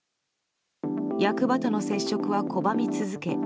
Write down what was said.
役場との接触は拒み続け